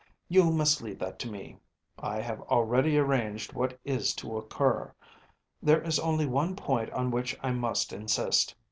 ‚ÄĚ “You must leave that to me. I have already arranged what is to occur. There is only one point on which I must insist.